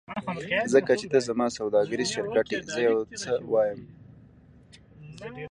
ځکه چې ته زما سوداګریز شریک یې زه یو څه وایم